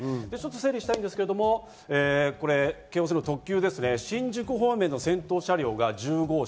整理しますが、京王線の特急、新宿方面の先頭車両が１０号車。